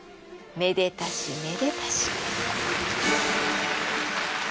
めでたしめでたし。